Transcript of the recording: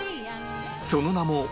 その名も